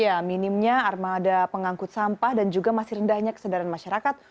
ya minimnya armada pengangkut sampah dan juga masih rendahnya kesedaran masyarakat